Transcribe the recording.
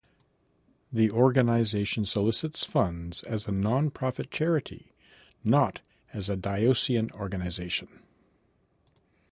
The organization solicits funds as a non-profit charity, not as a diocesan organization.